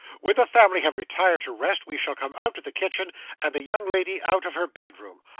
When the family have retired to rest, we shall come out of the kitchen, and the young lady out of her bedroom.